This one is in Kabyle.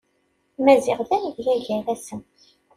Maziɣ d amedya gar-asen.